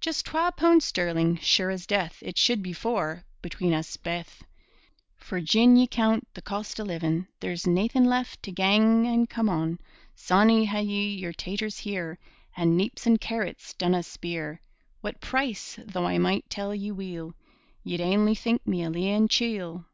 Jus' twa poond sterling', sure as death It should be four, between us baith For gin ye coont the cost o' livin', There's naethin' left to gang an' come on. Sawney, had ye yer taters here And neeps and carrots dinna speer What price; though I might tell ye weel, Ye'd ainly think me a leein' chiel.